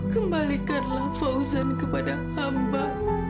kembalikanlah fauzan kepada hamba